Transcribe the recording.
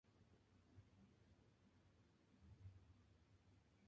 Estudió violín y luego canto en el conservatorio de Perugia.